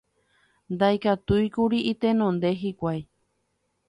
Ndaikatúikuri itenonde hikuái